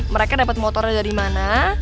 mereka dapat motornya dari mana